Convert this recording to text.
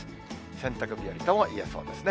洗濯日和ともいえそうですね。